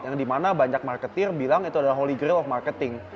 yang dimana banyak marketeer bilang itu adalah holy grail of marketing